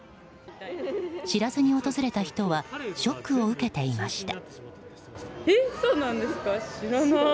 知らずに訪れた人はショックを受けていました。